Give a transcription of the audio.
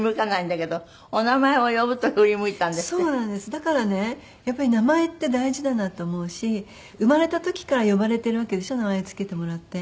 だからねやっぱり名前って大事だなって思うし生まれた時から呼ばれてるわけでしょ名前付けてもらって。